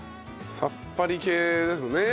さっぱり系ですよね。